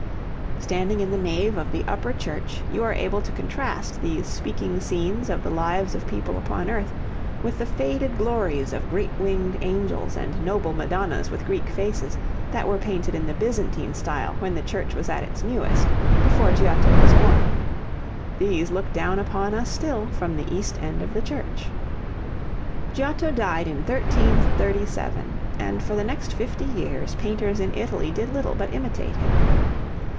Standing in the nave of the Upper Church, you are able to contrast these speaking scenes of the lives of people upon earth, with the faded glories of great winged angels and noble Madonnas with Greek faces, that were painted in the Byzantine style when the church was at its newest, before Giotto was born. These look down upon us still from the east end of the church. Giotto died in 1337, and for the next fifty years painters in Italy did little but imitate him.